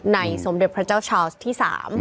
สมเด็จพระเจ้าชาวสที่๓